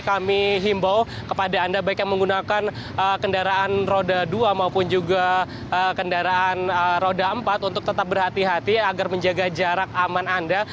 kami himbau kepada anda baik yang menggunakan kendaraan roda dua maupun juga kendaraan roda empat untuk tetap berhati hati agar menjaga jarak aman anda